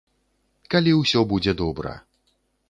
Калі ўсё будзе добра.